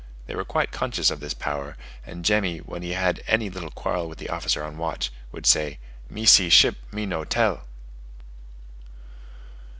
They were quite conscious of this power; and Jemmy, when he had any little quarrel with the officer on watch, would say, "Me see ship, me no tell."